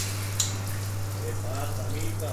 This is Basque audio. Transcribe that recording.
Jose Juan Santesteban maisu handiaren ikasle izan zen.